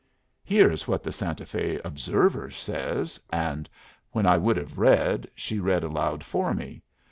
"Here is what the Santa Fe Observer says;" and when I would have read, she read aloud for me.